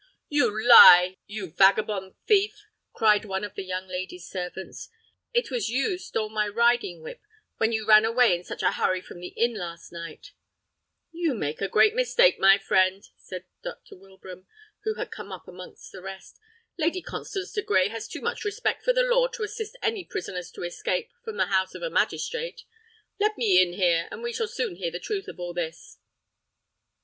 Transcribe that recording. "You lie, you vagabond thief!" cried one of the young lady's servants. "It was you stole my riding whip, when you ran away in such a hurry from the inn last night." "You must make a great mistake, my friend," said Dr. Wilbraham, who had come up amongst the rest. "Lady Constance de Grey has too much respect for the law to assist any prisoners to escape from the house of a magistrate. Let me in here, and we shall soon hear the truth of all this."